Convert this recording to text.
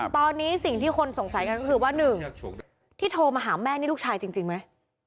ตอนนี้สิ่งที่คนสงสัยกันก็คือว่า๑ที่โทรมาหาแม่นี่ลูกชายจริงไหม